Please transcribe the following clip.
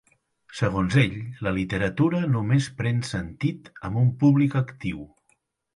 Segons ell, la literatura només pren sentit amb un públic actiu.